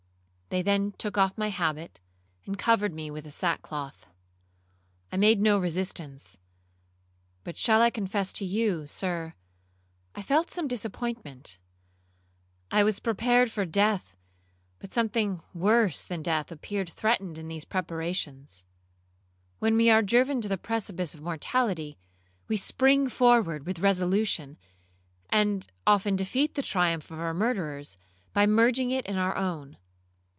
They then took off my habit, and covered me with the sackcloth. I made no resistance; but shall I confess to you, Sir, I felt some disappointment. I was prepared for death, but something worse than death appeared threatened in these preparations. When we are driven to the precipice of mortality, we spring forward with resolution, and often defeat the triumph of our murderers, by merging it in our own.